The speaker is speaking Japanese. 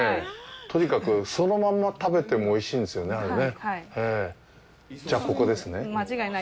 とにかく、そのまんま食べてもおいしいんですよね、あれね。